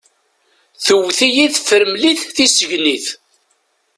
Tewwet-iyi tefremlit tissegnit.